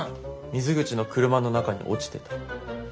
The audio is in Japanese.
水口の車の中に落ちてた。